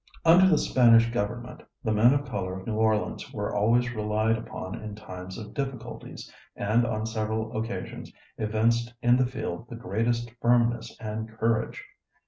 Under the Spanish Government the men of color of New Orleans were always relied upon in time of difficulties, and on several occasions evinced in the field the greatest firmness and courage.